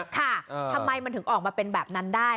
ทำไมมันถึงออกมาเป็นแบบนั้นได้